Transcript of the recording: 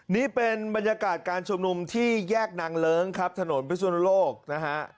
นี่เป็นบรรยากาศการชุมนุมที่แยกนางเลิ้งครับถนนพิสุนโลกนะฮะ